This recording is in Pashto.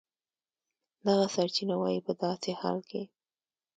دغه سرچینه وایي په داسې حال کې